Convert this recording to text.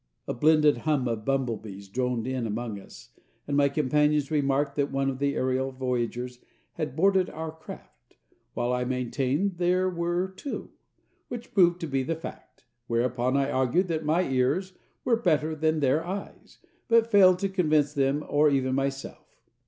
A blended hum of bumblebees droned in among us, and my companions remarked that one of the aerial voyagers had boarded our craft, while I maintained there were two, which proved to be the fact; whereupon I argued that my ears were better than their eyes, but failed to convince them or even myself.